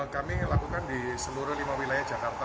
kami lakukan di seluruh lima wilayah jakarta